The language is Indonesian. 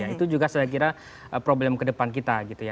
itu juga saya kira problem ke depan kita